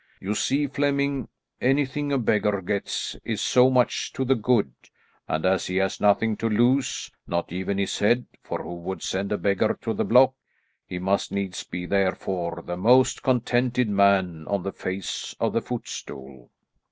You see, Flemming, anything a beggar gets is so much to the good; and, as he has nothing to lose, not even his head for who would send a beggar to the block he must needs be therefore the most contented man on the face of the footstool."